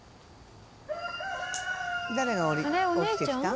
誰が起きてきたん？